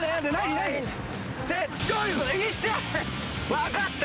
分かった。